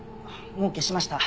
もう消しました。